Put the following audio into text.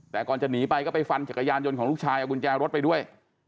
แต่ก่อนจะหนีไปก็ไปฟันจักรยานยนต์ของลูกชายเอากุญแจรถไปด้วย